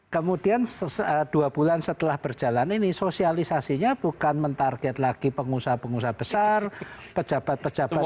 kemudian dua bulan setelah berjalan ini sosialisasinya bukan mentarget lagi pengusaha pengusaha besar pejabat pejabat